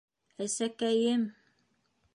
Әсәкәйем...